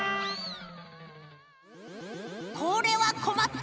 これはこまった。